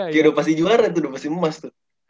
dia udah pasti juara tuh udah pasti emas tuh